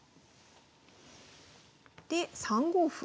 で３五歩。